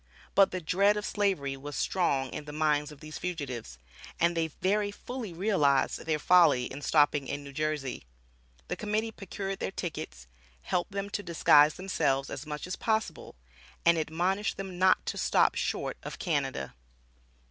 But the dread of Slavery was strong in the minds of these fugitives, and they very fully realized their folly in stopping in New Jersey. The Committee procured their tickets, helped them to disguise themselves as much as possible, and admonished them not to stop short of Canada.